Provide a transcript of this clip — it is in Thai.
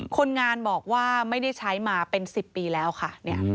คนงานบอกว่าไม่ได้ใช้มาเป็น๑๐ปีแล้วค่ะ